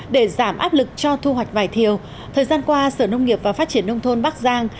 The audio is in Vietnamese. để giảm áp lực cho thu hoạch vải thiều thời gian qua sở nông nghiệp và phát triển nông thôn bắc giang